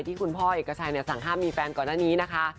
ที่คุณพ่อเอกชัยสั่งห้ามมีแฟนก่อนหน้านี้นะคะ